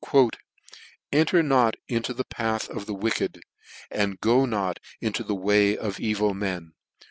<f Enter not into the ' f path of the wicked, and go not in the way of " evil men.